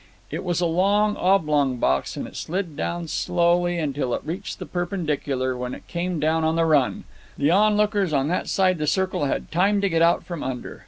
It was a long oblong box, and it slid down slowly until it reached the perpendicular, when it came down on the run. The onlookers on that side the circle had time to get out from under.